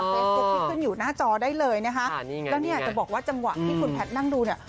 เฟซบุ๊คที่ขึ้นอยู่หน้าจอได้เลยนะคะนี่ไงแล้วเนี่ยจะบอกว่าจังหวะที่คุณแพทย์นั่งดูเนี่ย